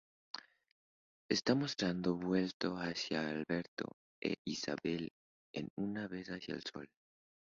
Está mostrado vuelto hacia Alberto e Isabel, en vez de hacia el sol.